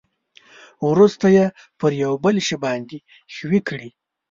ورسته یې پر یو بل شي باندې ښوي کړئ.